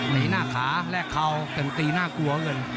หนีหน้าขาและเข่ากันตีน่ากลัว